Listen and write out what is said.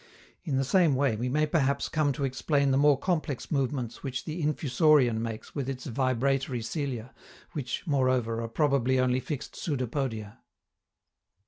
In the same way we may perhaps come to explain the more complex movements which the Infusorian makes with its vibratory cilia, which, moreover, are probably only fixed pseudopodia.